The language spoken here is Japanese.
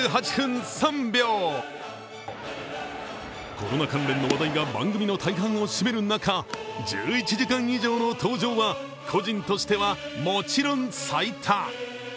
コロナ関連の話題が番組の大半を占める中、１１時間以上の登場は個人としてはもちろん最多。